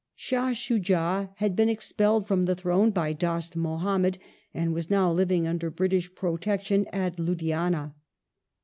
Shah Shuja had been expelled from the throne by Dost Muhammad, and was now living under British protection at Ludhiana.